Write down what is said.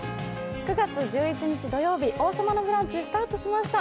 ９月１１日土曜日、「王様のブランチ」スタートしました。